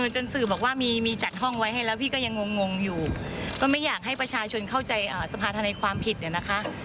จนสื่อบอกว่ามีจัดห้องไว้ให้แล้วพี่ก็ยังงงอยู่ก็ไม่อยากให้ประชาชนเข้าใจสภาธนาความผิดเนี่ยนะคะ